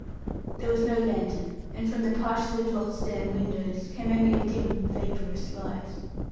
There was no lantern, and from the partially blocked stern windows came only a dim, vaporous light.